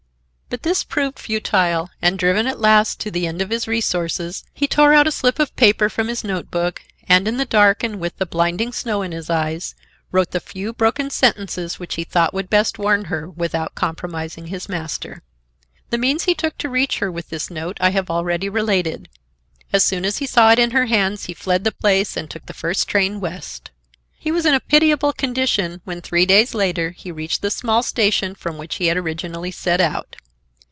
But this proved futile, and, driven at last to the end of his resources, he tore out a slip of paper from his note book and, in the dark and with the blinding snow in his eyes, wrote the few broken sentences which he thought would best warn her, without compromising his master. The means he took to reach her with this note I have already related. As soon as he saw it in her hands he fled the place and took the first train west. He was in a pitiable condition, when, three days later, he reached the small station from which he had originally set out.